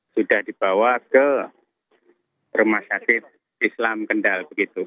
sudah dibawa ke rumah sakit islam kendal